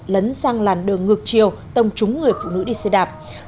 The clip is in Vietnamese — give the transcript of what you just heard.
lấn sang làn đường ngược chiều tông trúng người phụ nữ đi xe đạp